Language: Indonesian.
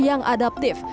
yang lebih baik